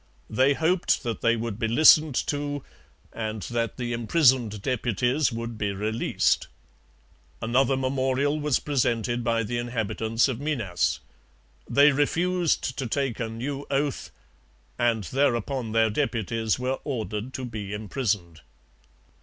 They hoped that they would be listened to, and that the imprisoned deputies would be released. Another memorial was presented by the inhabitants of Minas. They refused to take a new oath; and thereupon their deputies were ordered to be imprisoned.